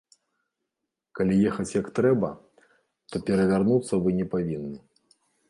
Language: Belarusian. Калі ехаць як трэба, то перавярнуцца вы не павінны.